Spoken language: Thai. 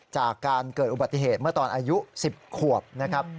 จากการเกิดอุบัติเหตุเมื่อตอนอายุ๑๐ขวบนะครับ